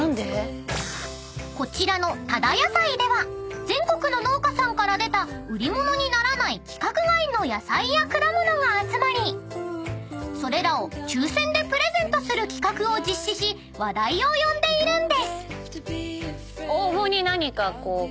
［こちらのタダヤサイでは全国の農家さんから出た売り物にならない規格外の野菜や果物が集まりそれらを抽選でプレゼントする企画を実施し話題を呼んでいるんです］